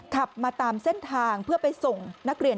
ขับมาตามเส้นทางเพื่อไปส่งนักเรียน